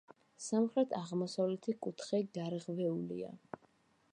სამხრეთ-აღმოსავლეთი კუთხე გარღვეულია.